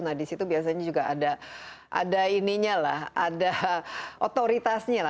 nah di situ biasanya juga ada otoritasnya